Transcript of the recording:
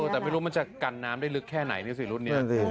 แต่ไม่รู้มันจะกันน้ำได้ลึกแค่ไหนนี่สิรุ่นนี้